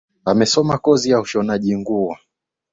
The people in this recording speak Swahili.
Amesomea kozi ya ushonaji nguo